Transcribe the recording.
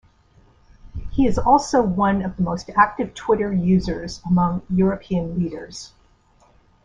He is also one of the most active Twitter users among European leaders.